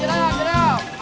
jadial jadial jadial